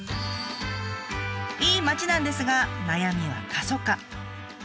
いい町なんですが悩みは過疎化。